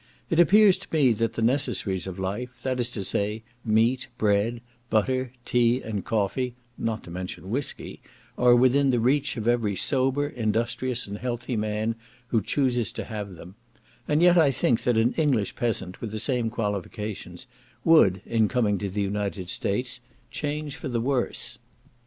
It appears to me that the necessaries of life, that is to say, meat, bread, butter, tea, and coffee, (not to mention whiskey), are within the reach of every sober, industrious, and healthy man who chooses to have them; and yet I think that an English peasant, with the same qualifications, would, in coming to the United States, change for the worse.